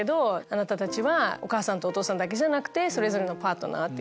あなたたちはお母さんお父さんだけじゃなくてそれぞれのパートナー。